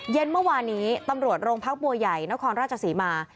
เมื่อวานี้ตำรวจโรงพักบัวใหญ่นครราชศรีมา